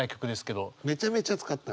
めちゃめちゃ使ったの？